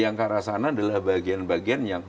yang ke arah sana adalah bagian bagian yang